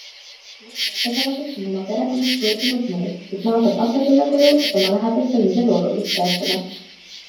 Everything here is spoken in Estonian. Loo peategelaseks on oma perekonnast võõrdunud mees, kes naaseb lapsepõlvekoju, et oma lähedastele midagi olulist teatada.